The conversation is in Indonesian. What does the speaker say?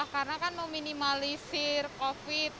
karena kan meminimalisir covid